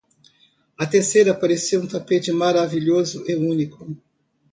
A terra parecia um tapete maravilhoso e único.